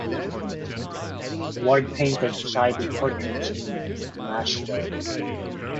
Ward painted society portraits in Nashville.